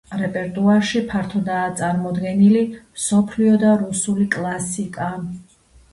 რეპერტუარში ფართოდაა წარმოდგენილი მსოფლიო და რუსული კლასიკა.